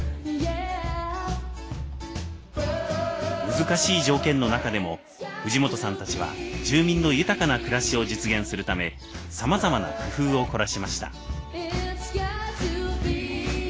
難しい条件の中でも藤本さんたちは住民の豊かな暮らしを実現するためさまざまな工夫を凝らしました。